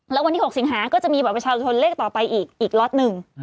แล้ววันที่๖สิงหาก็จะมีบัตรประชาชนเลขต่อไปอีกอีกล็อตหนึ่ง